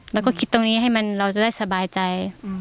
แล้วก็คิดตรงนี้ให้มันเราจะได้สบายใจ